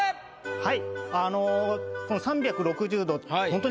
はい。